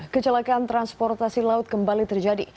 kecelakaan transportasi laut kembali terjadi